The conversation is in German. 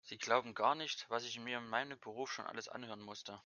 Sie glauben gar nicht, was ich mir in meinem Beruf schon alles anhören musste.